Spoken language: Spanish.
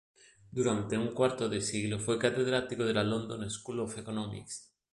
Durante un cuarto de siglo fue catedrático de la London School of Economics.